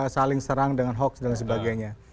saling serang dengan hoax dan sebagainya